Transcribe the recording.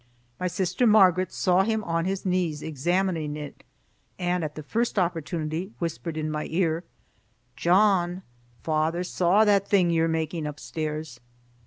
My sister Margaret saw him on his knees examining it, and at the first opportunity whispered in my ear, "John, fayther saw that thing you're making upstairs."